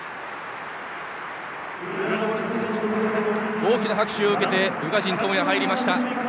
大きな拍手を受けて宇賀神友弥、入りました。